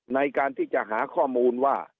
ในการที่จะหาข้อมูลว่า